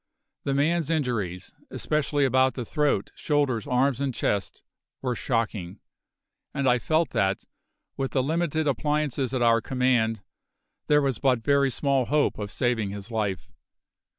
The man's injuries, especially about the throat, shoulders, arms, and chest, were shocking; and I felt that, with the limited appliances at our command, there was but very small hope of saving his life.